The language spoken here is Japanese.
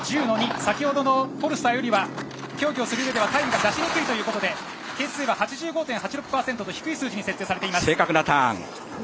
先ほどのフォルスターよりは競技をする上ではタイムが出しにくいということで係数が８５．８６％と低い数字に設定されています。